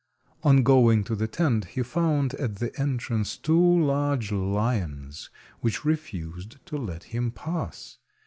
On going to the tent he found at the entrance two large lions, which refused to let him pass.